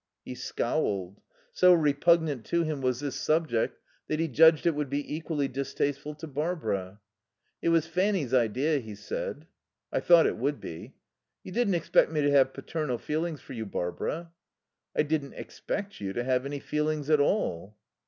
He scowled. So repugnant to him was this subject that he judged it would be equally distasteful to Barbara. "It was Fanny's idea," he said. "I thought it would be." "You didn't expect me to have paternal feelings for you, Barbara?" "I didn't expect you to have any feelings at all."